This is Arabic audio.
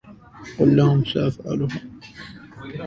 قل لهم سأفعلها